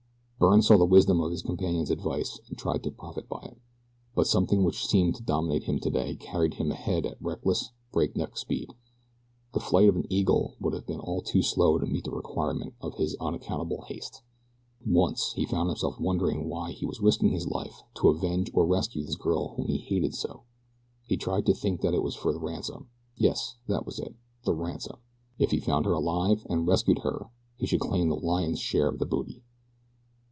Byrne saw the wisdom of his companion's advice and tried to profit by it; but something which seemed to dominate him today carried him ahead at reckless, breakneck speed the flight of an eagle would have been all too slow to meet the requirements of his unaccountable haste. Once he found himself wondering why he was risking his life to avenge or rescue this girl whom he hated so. He tried to think that it was for the ransom yes, that was it, the ransom. If he found her alive, and rescued her he should claim the lion's share of the booty.